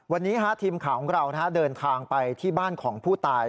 วันนี้ทีมข่าวของเราเดินทางไปที่บ้านของผู้ตาย